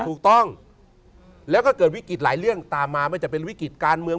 ถูกต้องแล้วก็เกิดวิกฤตหลายเรื่องตามมาไม่จะเป็นวิกฤติการเมือง